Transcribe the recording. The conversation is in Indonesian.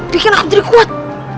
bikin aku jadi kuat